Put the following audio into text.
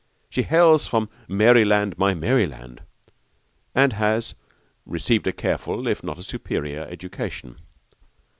She hails from 'Maryland, my Maryland!' and has 'received a careful, if not a superior, education.'